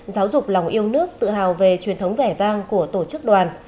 giáo dục lòng yêu nước tự hào về truyền thống vẻ vang của tổ chức đoàn